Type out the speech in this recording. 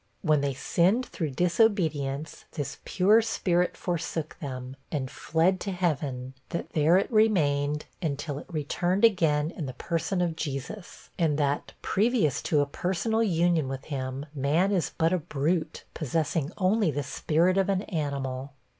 When they sinned through disobedience, this pure spirit forsook them, and fled to heaven; that there it remained, until it returned again in the person of Jesus; and that, previous to a personal union with him, man is but a brute, possessing only the spirit of an animal.